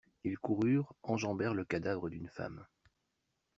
Ils coururent, enjambèrent le cadavre d'une femme.